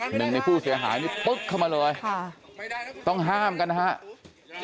หนึ่งในผู้เสียหายนี่ปึ๊กเข้ามาเลยค่ะต้องห้ามกันนะครับ